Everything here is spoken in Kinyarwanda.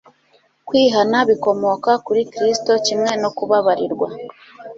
Kwihana bikomoka kuri Kristo kimwe no kubabarirwa.